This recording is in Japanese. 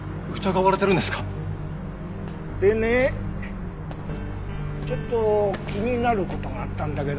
でねちょっと気になる事があったんだけど。